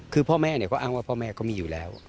คือพ่อแม่เขาอ้างว่าพ่อแม่เขามีอยู่แล้ว